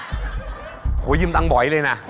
โอ้โหยืมตังค์บ่อยเลยนะ